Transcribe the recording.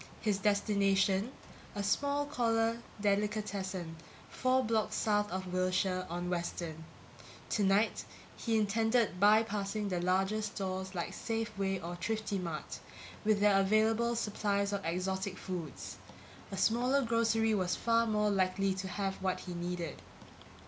His destination: a small corner delicatessen four blocks south of Wilshire, on Western. Tonight he intended bypassing the larger stores like Safeway or Thriftimart, with their available supplies of exotic foods; a smaller grocery was far more likely to have what he needed.